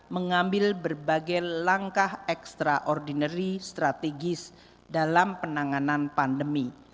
mengambil berbagai langkah ekstraordinary strategis dalam penanganan pandemi